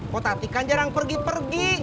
kok tati kan jarang pergi pergi